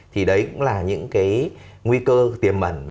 thì đấy cũng là những cái nguy cơ tiềm ẩn